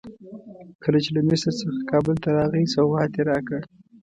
کله چې له مصر څخه کابل ته راغی سوغات یې راکړ.